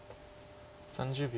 ３０秒。